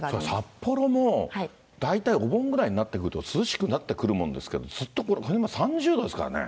札幌も、大体お盆ぐらいになってくると涼しくなってくるもんですけど、ずっと３０度ですからね。